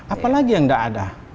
apalagi yang tidak ada